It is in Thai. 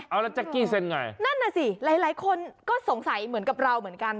เอาแล้วแก๊กกี้เซ็นไงนั่นน่ะสิหลายคนก็สงสัยเหมือนกับเราเหมือนกัน